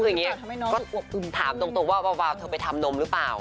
คืออย่างนี้ก็ถามตรงว่าวาวเธอไปทำนมหรือเปล่า